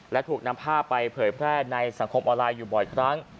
และถูกนำภาพไปเผยแพร่ในสังคมออนไลน์อยู่บ่อยครั้ง